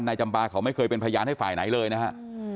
จำปาเขาไม่เคยเป็นพยานให้ฝ่ายไหนเลยนะฮะ